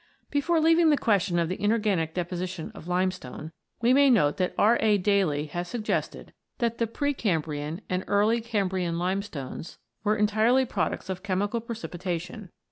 Before leaving the question of the inorganic de position of limestone, we may note that R. A. Daly (7) has suggested that the pre Cambrian and early Cam brian limestones were entirely products of chemical precipitation.